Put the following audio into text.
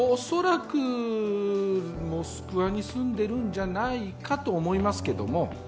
恐らくモスクワに住んでいるんじゃないかと思いますけども。